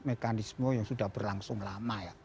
mekanisme yang sudah berlangsung lama ya